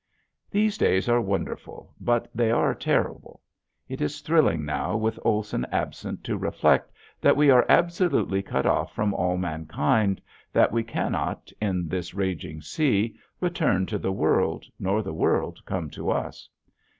These days are wonderful but they are terrible. It is thrilling now with Olson absent to reflect that we are absolutely cut off from all mankind, that we cannot, in this raging sea, return to the world nor the world come to us.